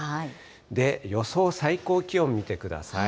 で、予想最高気温見てください。